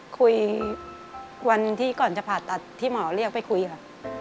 คุยวันที่ก่อนจะผ่าตัดที่หมอเรียกไปคุยค่ะ